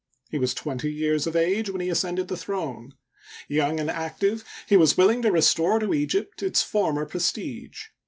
He was twenty years of age when he ascended the throne. Young and active, he was willing to restore to Egypt its former prestige.